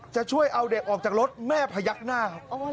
จะช่วยเอาเด็กออกจากรถแม่พยักหน้าครับ